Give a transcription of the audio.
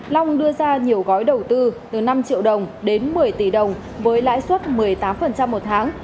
long đưa ra nhiều gói đầu tư từ năm triệu đồng đến một mươi tỷ đồng với lãi suất một mươi tám một tháng